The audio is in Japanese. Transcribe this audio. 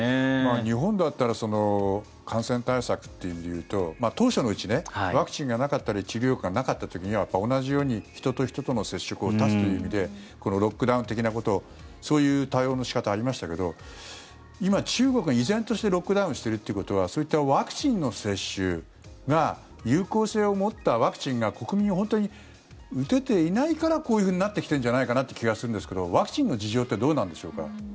日本だったら感染対策という意味でいうと当初のうちワクチンがなかったり治療薬がなかった時は同じように人と人との接触を断つという意味でロックダウン的なことそういう対応の仕方がありましたが今、中国は依然としてロックダウンしてるってことはそういったワクチンの接種が有効性を持ったワクチンが国民が本当に打てていないからこういうふうになってきてるんじゃないかなという気がするんですがワクチンの事情ってどうなんでしょうか。